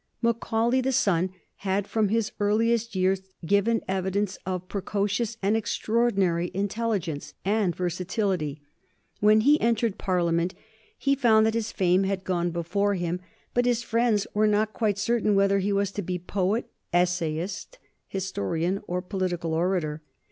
Macaulay the son had, from his earliest years, given evidence of precocious and extraordinary intelligence and versatility. When he entered Parliament he found that his fame had gone before him, but his friends were not quite certain whether he was to be poet, essayist, historian, or political orator.